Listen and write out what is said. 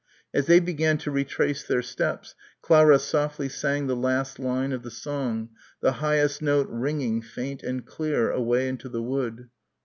As they began to retrace their steps Clara softly sang the last line of the song, the highest note ringing, faint and clear, away into the wood.